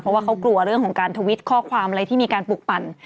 เพราะว่าเขากลัวเรื่องของการทวิตข้อความอะไรที่มีการปลูกปั่น